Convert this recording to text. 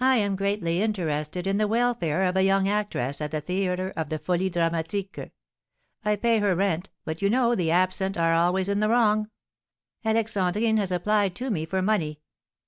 "I am greatly interested in the welfare of a young actress at the theatre of the Folies Dramatiques. I pay her rent; but, you know, the absent are always in the wrong! Alexandrine has applied to me for money.